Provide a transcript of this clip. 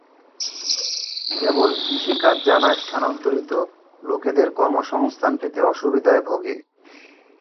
কেবল কৃষি কাজ জানা স্থানান্তরিত লোকেদের কর্মসংস্থান পেতে অসুবিধায় ভোগে।